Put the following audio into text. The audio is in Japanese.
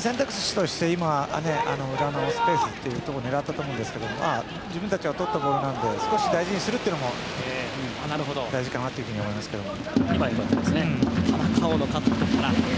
選択肢として裏のスペースを狙ったと思うんですけど自分たちがとったボールなので少し大事にするというのも大事かなと思いますけども。